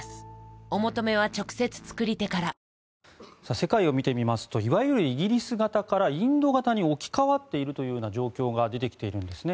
世界を見てみますといわゆるイギリス型からインド型に置き換わっているような状況が出てきているんですね。